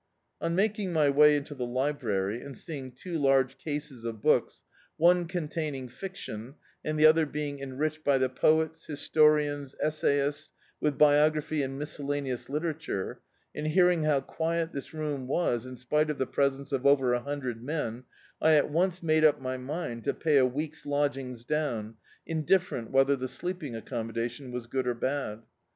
[202l D,i.,.db, Google London On making my way into the library, and seeing two large cases of books, one containing fiction, and the other being enriched by the poets, historians, essayists, with biography and miscellaneous litera turc, and hearing how quiet this room was, in spite of the presence of over a hundred men, I at (mce made up my mind to pay a week's lodgings down, indifferent whether the sleeping accommodation was good or bad.